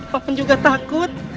paman juga takut